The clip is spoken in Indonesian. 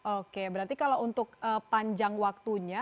oke berarti kalau untuk panjang waktunya